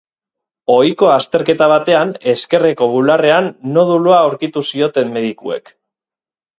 Ohiko azterketa batean, ezkerreko bularrean nodulua aurkitu zioten medikuek.